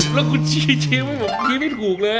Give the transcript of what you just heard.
หลักคุณชี้แหละผมคุณชี้ไม่ถูกเลย